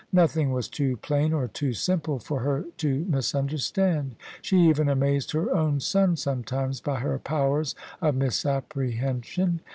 Nothing was too plain or too simple for her to misunderstand. She even amazed her own son some times by her powers of misapprehension.